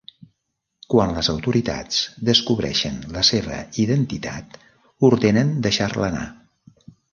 Quan les autoritats descobreixen la seva identitat, ordenen deixar-la anar.